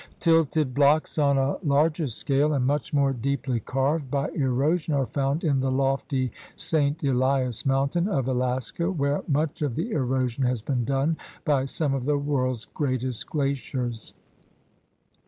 Tilted blocks on a larger scale and much more deeply carved by erosion are found in the lofty St. Elias Mountain of Alaska, where much of the erosion has been done by some of the world's greatest glaciers.